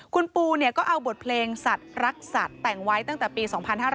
คุณปูก็เอาบทเพลงสัตว์รักสัตว์แต่งไว้ตั้งแต่ปี๒๕๕๙